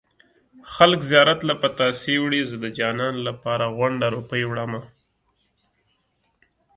خلک زيارت له پتاسې وړي زه د جانان لپاره غونډه روپۍ وړمه